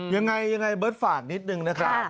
ยังไงเบิร์ตฝากนิดหนึ่งนะคะ